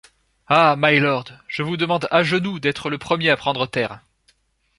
Ah! mylord ! je vous demande à genoux d’être le premier à prendre terre !